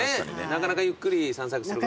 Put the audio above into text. なかなかゆっくり散策する。